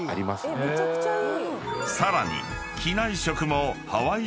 ［さらに］